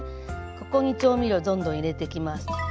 ここに調味料をどんどん入れていきます。